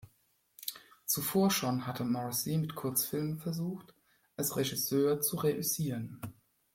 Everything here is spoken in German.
Zuvor schon hatte Morrissey mit Kurzfilmen versucht, als Regisseur zu reüssieren.